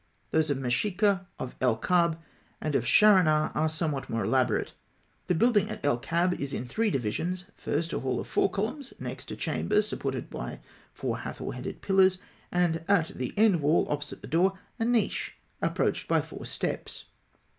Those of Mesheikh, of El Kab, and of Sharonah are somewhat more elaborate. The building at El Kab is in three divisions (fig. 76); first, a hall of four columns (A); next, a chamber (B) supported by four Hathor headed pillars; and in the end wall, opposite the door, a niche (C), approached by four steps.